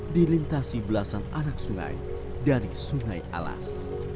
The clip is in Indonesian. dilintasi belasan anak sungai dari sungai alas